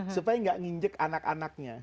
supaya nggak nginjek anak anaknya